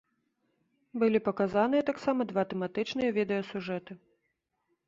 Былі паказаныя таксама два тэматычныя відэасюжэты.